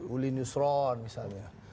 uli nusron misalnya